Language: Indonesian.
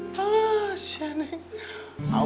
aku kelihatan burung doi